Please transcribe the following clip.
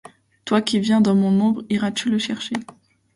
Toi qui viens dans mon ombre, iras-tu le chercher